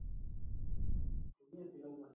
Kukonda au kudhoofika kiafya na manyoya kukosa ulaini